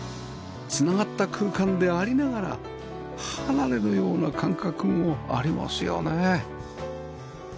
繋がった空間でありながら離れのような感覚もありますよね